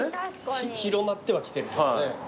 広まってはきてるけどね。